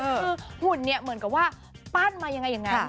คือหุ่นเนี่ยเหมือนกับว่าปั้นมายังไงอย่างนั้น